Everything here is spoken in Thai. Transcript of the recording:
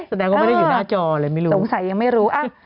แสดงว่าไม่ได้อยู่หน้าจอเลยไม่รู้สงสัยยังไม่รู้อ่ะ